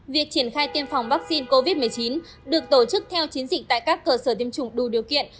việc triển khai tiêm phòng vaccine covid một mươi chín được tổ chức theo chiến dịch tại các cơ sở tiêm chủng đủ điều kiện